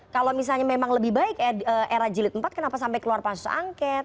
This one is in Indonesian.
kalau misalnya memang lebih baik era jilid empat kenapa sampai keluar pansus angket